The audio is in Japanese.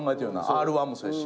Ｒ−１もそうやし。